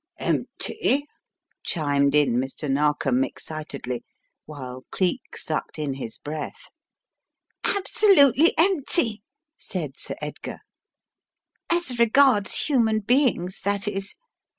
"" Empty !" chimed in Mr. Narkom, excitedly, while Cleek sucked in his breath. "Absolutely empty!" said Sir Edgar; "as regards human beings, that is.